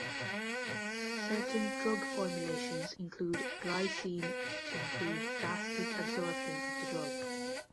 Certain drug formulations include glycine to improve gastric absorption of the drug.